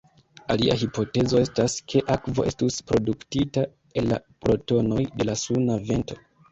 Alia hipotezo estas, ke akvo estus produktita el la protonoj de la suna vento.